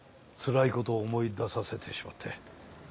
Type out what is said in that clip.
つらいことを思い出させてしまって。